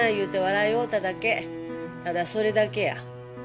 ただそれだけや。